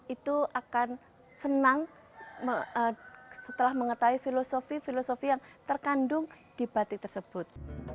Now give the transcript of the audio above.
itu akan senang setelah mengetahui filosofi filosofi yang terkandung di batik tersebut